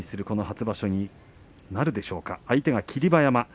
この初場所になるでしょうか相手は霧馬山。